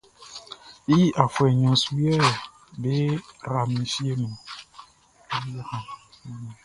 I afuɛ nɲɔn su yɛ be yra mi fieʼn niɔn.